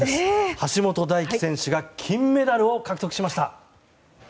橋本大輝選手が金メダルを獲得しました。